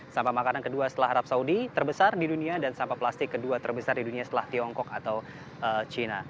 sampah makanan kedua setelah arab saudi terbesar di dunia dan sampah plastik kedua terbesar di dunia setelah tiongkok atau china